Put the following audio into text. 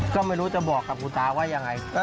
ก็ไม่รู้จะบอกกับคุณตาว่ายังไง